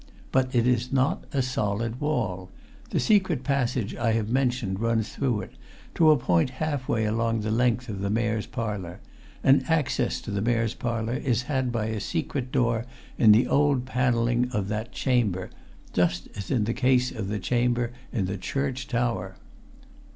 But it is not a solid wall. The secret passage I have mentioned runs through it, to a point half way along the length of the Mayor's Parlour. And access to the Mayor's Parlour is had by a secret door in the old panelling of that chamber just as in the case of the chamber in the church tower."